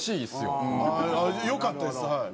よかったですはい。